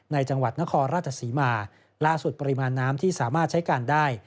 จังหวัดนครราชศรีมาล่าสุดปริมาณน้ำที่สามารถใช้การได้